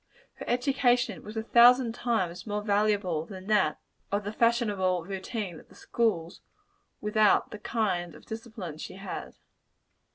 Her education was a thousand times more valuable than that of the fashionable routine of the schools, without the kind of discipline she had.